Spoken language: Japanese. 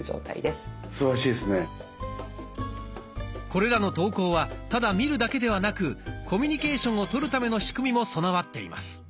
これらの投稿はただ見るだけではなくコミュニケーションを取るための仕組みも備わっています。